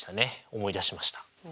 思い出しました。